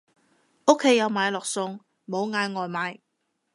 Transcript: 屋企有買落餸，冇嗌外賣